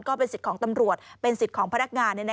ก็เป็นสิทธิ์ของตำรวจเป็นสิทธิ์ของพนักงาน